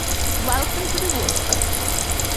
Welcome to the World